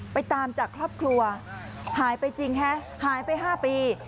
ไปตามจากครอบครัวหายไปจริงฮะหายไป๕ปี